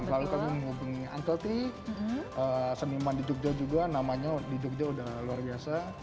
lalu kami menghubungi antelti seniman di jogja juga namanya di jogja udah luar biasa